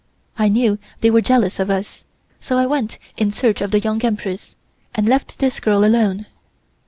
I knew they were jealous of us, so I went in search of the Young Empress and left this girl alone.